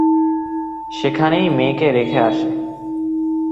সেখানেই মেয়েকে রেখে আসে।